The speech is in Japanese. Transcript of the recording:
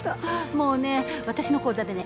もうね私の講座でね